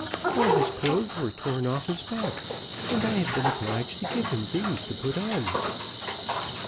"All his clothes were torn off his back, and I have been obliged to give him these to put on."